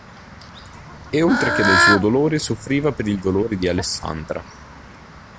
E oltre che del suo dolore soffriva per il dolore di Alessandra.